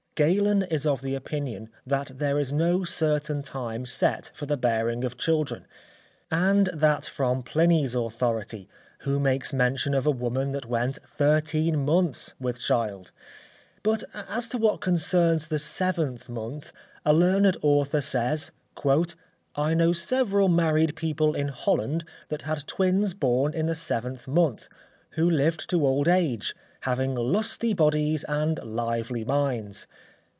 Galen is of opinion that there is no certain time set for the bearing of children; and that from Pliny's authority, who makes mention of a woman that went thirteen months with child; but as to what concerns the seventh month, a learned author says, "I know several married people in Holland that had twins born in the seventh month, who lived to old age, having lusty bodies and lively minds.